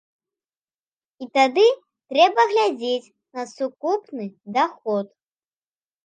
І тады трэба глядзець на сукупны даход.